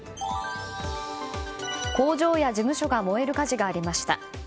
工場や事務所が燃える火事がありました。